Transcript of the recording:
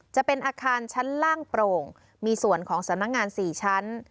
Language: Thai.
จะเป็นอาคารชั้นล่างโปร่งมีส่วนของสำนักงาน๔ชั้น